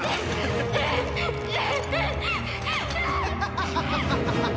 ハハハハハ！